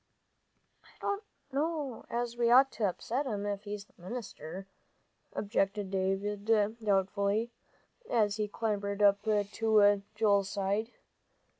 "I don't know as we ought to upset him if he's the minister," objected David, doubtfully, as he clambered up to Joel's side.